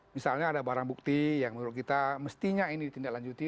misalnya ada barang bukti yang menurut kita mestinya ini ditindaklanjuti